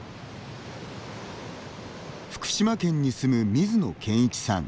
福島県に住む水野憲一さん